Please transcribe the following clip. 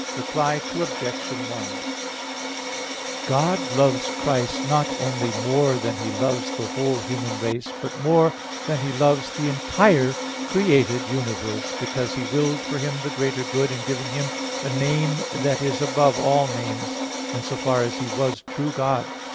Reply Obj. 1: God loves Christ not only more than He loves the whole human race, but more than He loves the entire created universe: because He willed for Him the greater good in giving Him "a name that is above all names," in so far as He was true God.